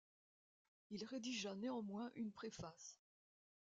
Il rédigea néanmoins une préface.